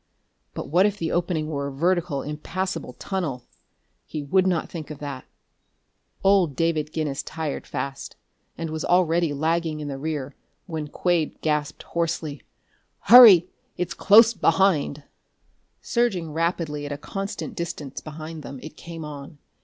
But what if the opening were a vertical, impassable tunnel? He would not think of that.... Old David Guinness tired fast, and was already lagging in the rear when Quade gasped hoarsely: "Hurry! It's close behind!" Surging rapidly at a constant distance behind them, it came on.